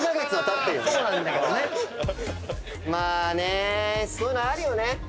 まあねそういうのあるよね。